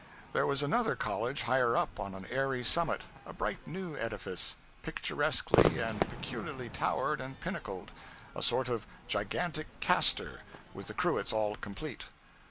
There was another college higher up on an airy summit a bright new edifice, picturesquely and peculiarly towered and pinnacled a sort of gigantic casters, with the cruets all complete.